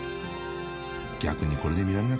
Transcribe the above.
［逆にこれで見られなかったら］